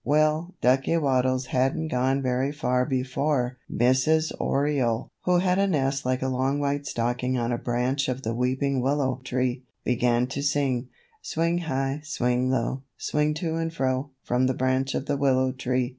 Well, Ducky Waddles hadn't gone very far before Mrs. Oriole, who had a nest like a long white stocking on a branch of the weeping willow tree, began to sing: "Swing high, swing low, Swing to and fro From the branch of the willow tree.